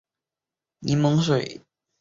其中柠檬水有时会被柠檬苏打水代替。